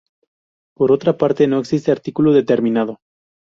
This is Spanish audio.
Por otra parte, no existe artículo determinado.